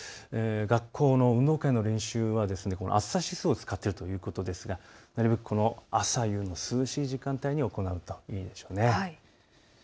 学校の運動会の練習は暑さ指数を使っているということですが朝夕の涼しい時間帯に行うといいでしょう。